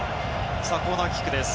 コーナーキックです。